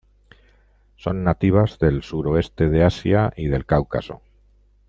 Son nativas del suroeste de Asia y del Cáucaso.